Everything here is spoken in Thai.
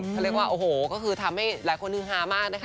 เขาเรียกว่าโอ้โหก็คือทำให้หลายคนฮือฮามากนะคะ